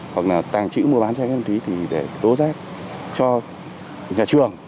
hoặc là tàng trữ mua bán cho ma túy thì để tố rét cho nhà trường